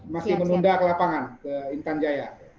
masih menunda ke lapangan ke intan jaya